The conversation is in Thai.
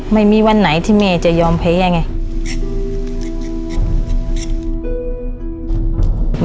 ไม่มีวันไหนที่แม่จะยอมแพ้ไง